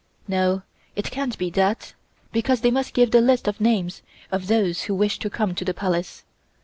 "No, it can't be that, because they must give the list of names of those who wish to come to the Palace.